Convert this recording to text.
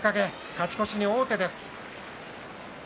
勝ち越しに王手です。